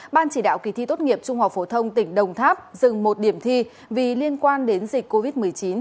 ban chỉ đạo kỳ thi tốt nghiệp trung học phổ thông tỉnh đồng tháp dừng một điểm thi vì liên quan đến dịch covid một mươi chín